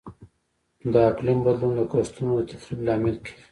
د اقلیم بدلون د کښتونو د تخریب لامل کیږي.